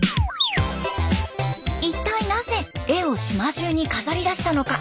一体なぜ絵を島中に飾りだしたのか。